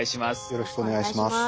よろしくお願いします。